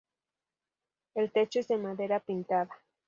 El techo es de madera pintada.